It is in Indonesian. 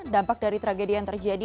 dampak dari tragedi yang terjadi